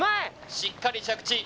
しっかり着地